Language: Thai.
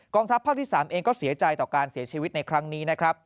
ทัพภาคที่๓เองก็เสียใจต่อการเสียชีวิตในครั้งนี้นะครับ